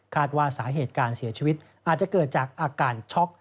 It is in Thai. ว่าสาเหตุการเสียชีวิตอาจจะเกิดจากอาการช็อก